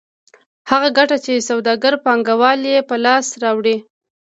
هغه ګټه چې سوداګر پانګوال یې په لاس راوړي